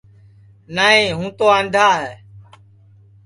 نائی ہوں تو آندھا ہے